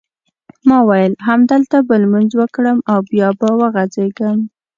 ما وېل همدلته به لمونځ وکړم او بیا به وغځېږم.